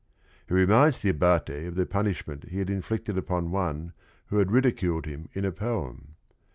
He reminds the Abate of the punishment he had inflicted upon one who had ridiculed him in a poem.